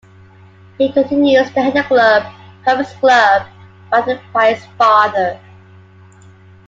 He continues to head the club, Puffin's Club, founded by his father.